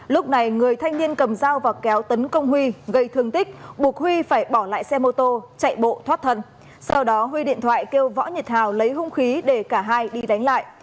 lúc này người thanh niên cầm dao và kéo tấn công huy gây thương tích buộc huy phải bỏ lại xe mô tô chạy bộ thoát thần sau đó huy điện thoại kêu võ nhật hào lấy hung khí để cả hai đi đánh lại